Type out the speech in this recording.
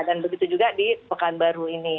dan begitu juga di pekanbaru ini